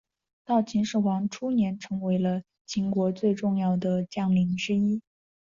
到秦始皇初年成为了秦国最重要的将领之一。